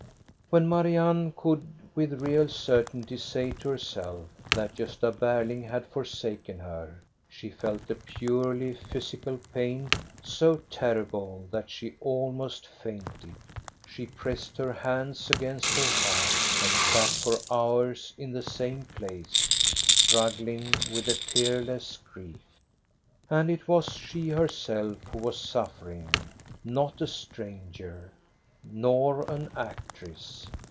When Marianne could with real certainty say to herself that Gosta Berling had forsaken her, she felt a purely physical pain so terrible that she almost fainted. She pressed her hands against her heart, and sat for hours in the same place, struggling with a tearless grief. And it was she herself who was suffering, not a stranger, nor an actress.